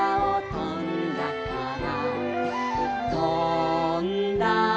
「とんだから」